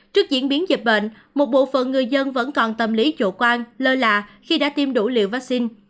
trước diễn biến dịch bệnh một bộ phận người dân vẫn còn tâm lý chủ quan lơ là khi đã tiêm đủ liều vaccine